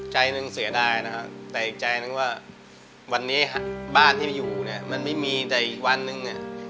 ใจหนึ่งเสียดายนะครับแต่อีกใจหนึ่งว่าวันนี้บ้านที่อยู่เนี่ยมันไม่มีแต่อีกวันนึงเนี่ย